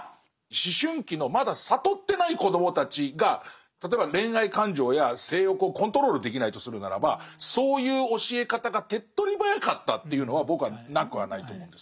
思春期のまだ覚ってない子どもたちが例えば恋愛感情や性欲をコントロールできないとするならばそういう教え方が手っとり早かったというのは僕はなくはないと思うんです。